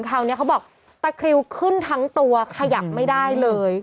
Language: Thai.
เขาบอกตะคริวขึ้นทั้งตัวขยับไม่ได้เลย